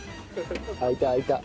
開いた開いた。